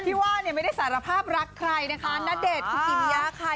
ว่าเนี่ยไม่ได้สารภาพรักใครนะคะณเดชน์คุกิมิยะค่ะ